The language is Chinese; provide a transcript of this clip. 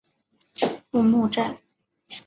布目站。